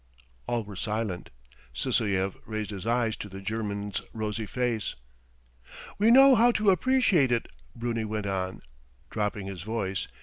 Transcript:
..." All were silent. Sysoev raised his eyes to the German's rosy face. "We know how to appreciate it," Bruni went on, dropping his voice.